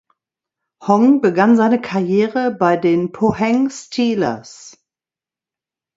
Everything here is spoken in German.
Hong begann seine Karriere bei den Pohang Steelers.